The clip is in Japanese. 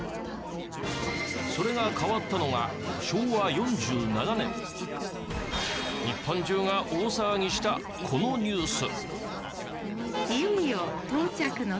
それが変わったのが日本中が大騒ぎしたこのニュース。